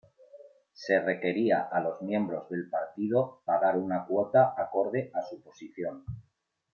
Se requería a los miembros del partido pagar una cuota acorde a su posición.